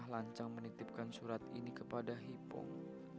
lancang menitipkan surat ini kepada hipong